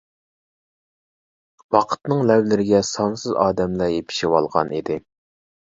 ۋاقىتنىڭ لەۋلىرىگە سانسىز ئادەملەر يېپىشىۋالغان ئىدى.